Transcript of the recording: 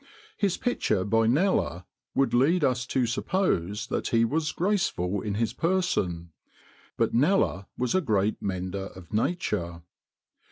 His picture by Kneller would lead us to suppose that he was graceful in his person; but Kneller was a great mender of nature.